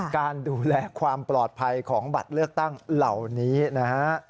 การดูแลความปลอดภัยของบัตรเลือกตั้งเหล่านี้นะฮะ